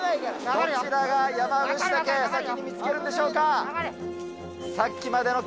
どちらがヤマブシタケ、先に見つけるんでしょうか。